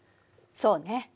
そうね。